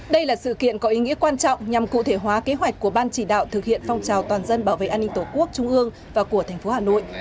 đây là sự kiện có ý nghĩa quan trọng nhằm cụ thể hóa kế hoạch của ban chỉ đạo thực hiện phong trào toàn dân bảo vệ an ninh tổ quốc trung ương và của tp hà nội